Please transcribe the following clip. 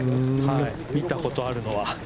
見たことあるのは。